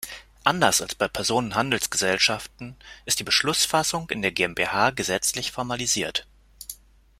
Anders als bei Personenhandelsgesellschaften ist die Beschlussfassung in der GmbH gesetzlich formalisiert.